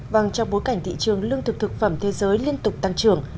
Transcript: vâng trong bối cảnh thị trường lương thực thực phẩm thế giới liên tục tăng trưởng